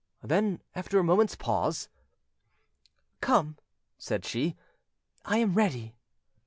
Then, after a moment's pause, "Come," said she; "I am ready."